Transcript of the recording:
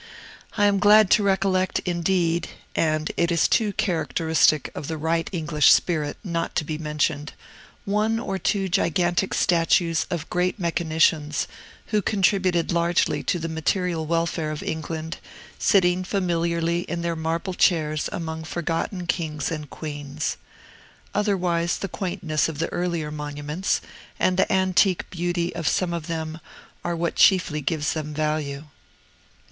I am glad to recollect, indeed (and it is too characteristic of the right English spirit not to be mentioned), one or two gigantic statues of great mechanicians, who contributed largely to the material welfare of England, sitting familiarly in their marble chairs among forgotten kings and queens. Otherwise, the quaintness of the earlier monuments, and the antique beauty of some of them, are what chiefly gives them value.